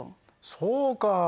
そうか。